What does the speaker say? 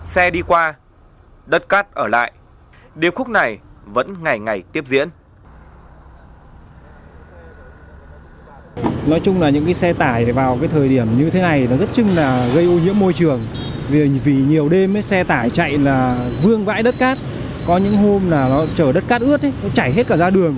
xe đi qua đất cát ở lại điều khúc này vẫn ngày ngày tiếp diễn